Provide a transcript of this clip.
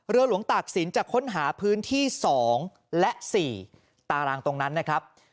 เรือหลวงตากสินจะค้นหาพื้นที่สองและสี่ตารางตรงนั้นนะครับ